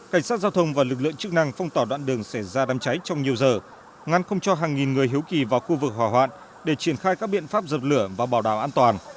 cảnh sát giao thông và lực lượng chức năng phong tỏa đoạn đường xảy ra đám cháy trong nhiều giờ ngăn không cho hàng nghìn người hiếu kỳ vào khu vực hòa hoạn để triển khai các biện pháp dập lửa và bảo đảm an toàn